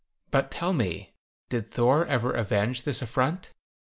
But tell me, did Thor ever avenge this affront?"